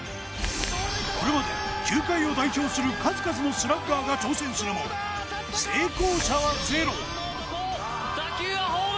これまで球界を代表する数々のスラッガーが挑戦するも、成功者はゼロ。